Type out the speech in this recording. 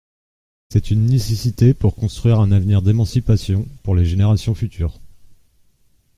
C’est une nécessité pour construire un avenir d’émancipation pour les générations futures.